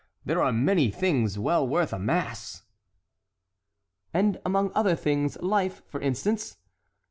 there are many things well worth a mass." "And among other things life, for instance!"